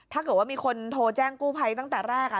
ถ้าเกิดว่ามีคนโทรแจ้งกู้ภัยตั้งแต่แรก